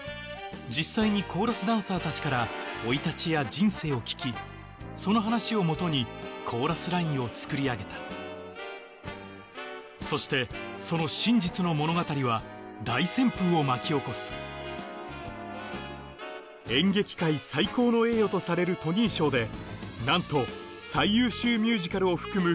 実際にコーラスダンサーたちから生い立ちや人生を聞きその話をもとに「コーラスライン」を作りあげたそしてその真実の物語は大旋風を巻き起こす演劇界最高の栄誉とされるトニー賞で何と最優秀ミュージカルを含む